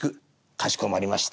「かしこまりました」。